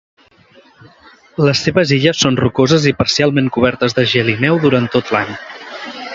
Les seves illes són rocoses i parcialment cobertes de gel i neu durant tot l'any.